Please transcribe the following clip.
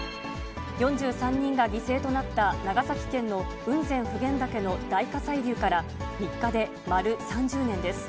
４３人が犠牲となった長崎県の雲仙・普賢岳の大火砕流から、３日で丸３０年です。